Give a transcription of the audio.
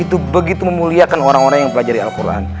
itu begitu memuliakan orang orang yang pelajari al quran